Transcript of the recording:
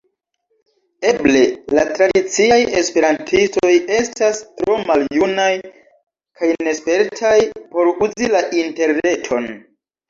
Eble la tradiciaj esperantistoj estas tro maljunaj kaj nespertaj por uzi la interreton.